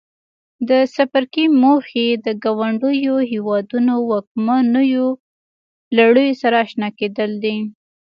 د څپرکي موخې د ګاونډیو هېوادونو واکمنو لړیو سره آشنا کېدل دي.